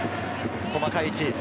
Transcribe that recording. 細かい位置。